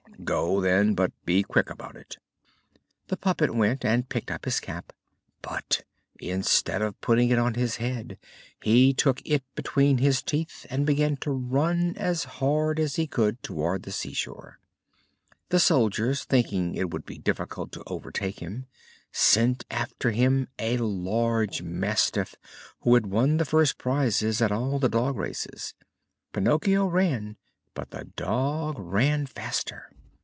"Go, then; but be quick about it." The puppet went and picked up his cap, but instead of putting it on his head he took it between his teeth and began to run as hard as he could towards the seashore. The soldiers, thinking it would be difficult to overtake him, sent after him a large mastiff who had won the first prizes at all the dog races. Pinocchio ran, but the dog ran faster.